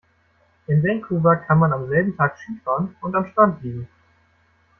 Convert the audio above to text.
In Vancouver kann man am selben Tag Ski fahren und am Strand liegen.